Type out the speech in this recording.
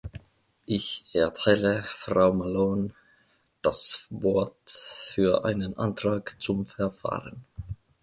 Ich erteile Frau Malone das Wort für einen Antrag zum Verfahren.